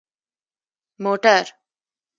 🚘 موټر